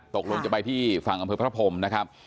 ตกลงจะไปที่ฝั่งอำเภอพระพรมนะครับ